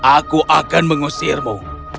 aku akan mengusirmu